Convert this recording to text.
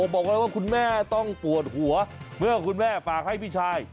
บอกเลยว่าคุณแม่ต้องปวดหัวเมื่อคุณแม่ฝากให้พี่ชาย